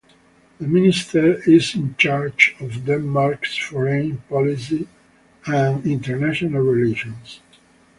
The minister is in charge of Denmark's foreign policy and international relations.